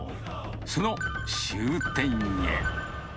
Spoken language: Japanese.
その終点へ。